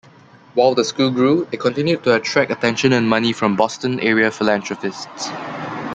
While the school grew, it continued to attract attention and money from Boston-area philanthropists.